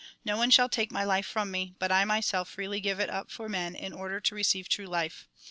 No one shall take my life from me, but I myself freely give it up for men, in order to receive true life.